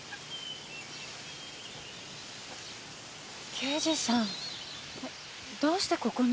刑事さんどうしてここに？